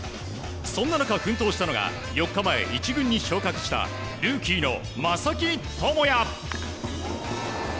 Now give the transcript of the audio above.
そんな中、奮闘したのが４日前、１軍に昇格したルーキーの正木智也。